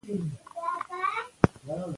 د کورنۍ ملاتړ د کارکوونکو لپاره ضروري دی.